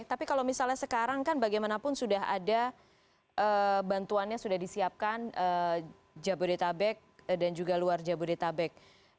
tapi kalau misalnya sekarang kan bagaimanapun sudah ada bantuannya sudah disiapkan jabodetabek dan juga luar jabodetabek